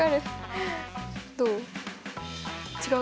どう？